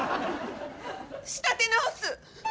仕立て直す！